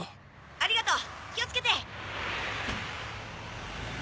ありがとう気を付けて。